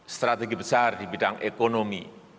strategi besar di bidang ekonomi